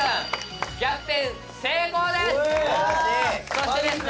そしてですね